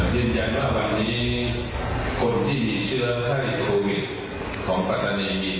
ดินยังว่าวันนี้คนที่มีเชื้อให้โควิดของปรารถนียมี๗คน